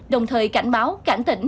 đồng thời cảnh báo cảnh tỉnh